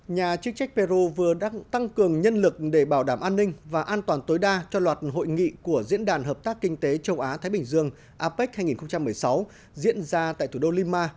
nhà chức trách peru vừa đang tăng cường nhân lực để bảo đảm an ninh và an toàn tối đa cho loạt hội nghị của diễn đàn hợp tác kinh tế châu á thái bình dương apec hai nghìn một mươi sáu diễn ra tại thủ đô lima